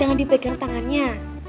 jangan dipegang tangannya